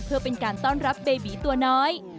เพื่อเป็นการต้อนรับเบบีตัวน้อย